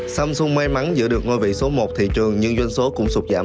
samsung may mắn giữ được ngôi vị số một thị trường nhưng doanh số cũng sụt giảm